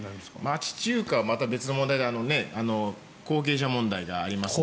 町中華はまた別の問題で後継者問題があります。